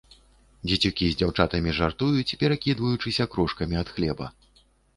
Дзецюкі з дзяўчатамі жартуюць, перакідваючыся крошкамі ад хлеба.